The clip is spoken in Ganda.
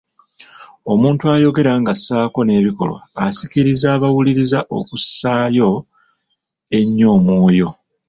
Omuntu ayogera ng'assaako n'ebikolwa asikiriza abawuliriza okussaayo ennyo omwoyo.